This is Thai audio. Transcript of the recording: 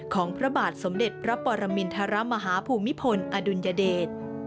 ของพระบาทสมเด็จพระปรมินทรมาฮาภูมิพลอดุลยเดช